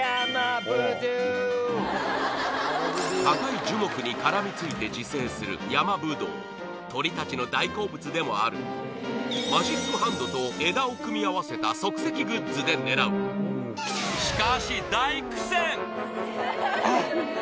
高い樹木に絡みついて自生する山ぶどう鳥たちの大好物でもあるマジックハンドと枝を組み合わせた即席グッズで狙うしかしあっ！